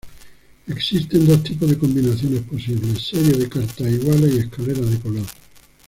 Existen dos tipos de combinaciones posibles, series de cartas iguales y escaleras de color.